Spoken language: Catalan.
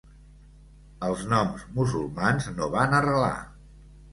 Els noms musulmans no van arrelar.